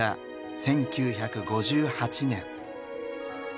１９５８年。